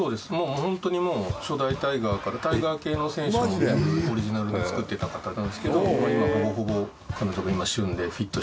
ホントにもう初代タイガーからタイガー系の選手も全部オリジナルで作ってた方なんですけど今はほぼほぼ彼女が今旬でフィットしてるので。